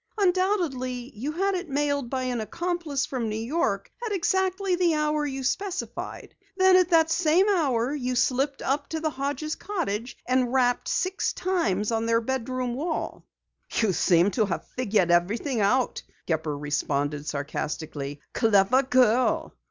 Undoubtedly, you had it mailed by an accomplice from New York at exactly the hour you specified. Then at that same hour you slipped up to the Hodges' cottage, and rapped six times on the bedroom wall." "You seem to have everything figured out," Al Gepper responded sarcastically. "Clever girl!"